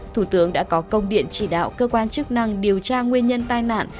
thủ tướng đã có công điện chỉ đạo cơ quan chức năng điều tra nguyên nhân tai nạn